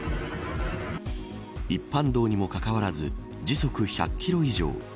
一般道にもかかわらず時速１００キロ以上。